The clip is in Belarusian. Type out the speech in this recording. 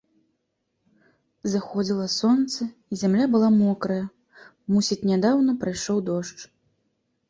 Заходзіла сонца, і зямля была мокрая, мусіць, нядаўна прайшоў дождж.